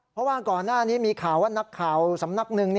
เพราะว่าก่อนหน้านี้มีข่าวว่านักข่าวสำนักหนึ่ง